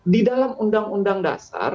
di dalam undang undang dasar